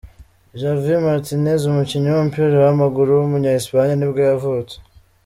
Javi Martínez, umukinnyi w’umupira w’amaguru w’umunya Espagne nibwo yavutse.